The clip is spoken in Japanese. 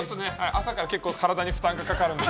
朝から結構体に負担がかかるんで。